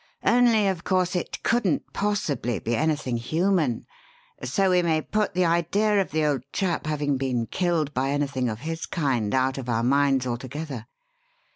"Only, of course, it couldn't possibly be anything human; so we may put the idea of the old chap having been killed by anything of his kind out of our minds altogether.